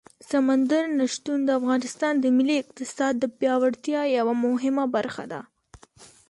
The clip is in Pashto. سمندر نه شتون د افغانستان د ملي اقتصاد د پیاوړتیا یوه مهمه برخه ده.